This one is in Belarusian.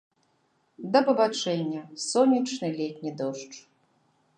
Да пабачэння, сонечны летні дождж!